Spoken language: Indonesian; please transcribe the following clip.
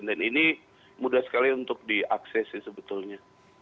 dan ini mudah sekali untuk diakses sebetulnya